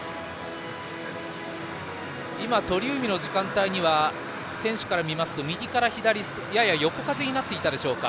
今、鳥海の時間帯には選手から見ますと右から左、やや横風になっていたでしょうか。